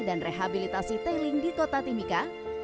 dan rehabilitasi tailing di kota timika